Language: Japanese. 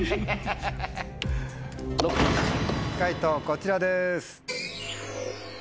解答こちらです。